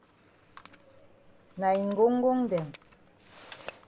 Na yi ngongngong dem.